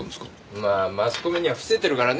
まあマスコミには伏せてるからね。